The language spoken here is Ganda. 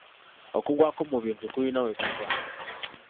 Okugwakwo mu bintu kulina wekuva.